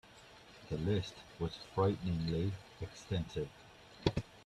The list was frighteningly extensive.